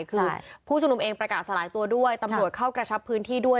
คือผู้ชุมนุมเองประกาศสลายตัวด้วยตำรวจเข้ากระชับพื้นที่ด้วย